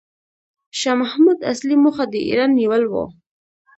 شاه محمود اصلي موخه د ایران نیول و.